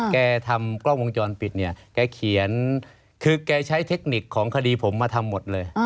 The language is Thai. แกทำกล้องวงจรปิดเนี่ยแกเขียนคือแกใช้เทคนิคของคดีผมมาทำหมดเลย